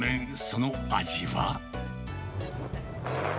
その味は？